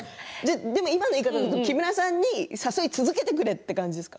今でいうと木村さんに誘い続けてくれという感じですか。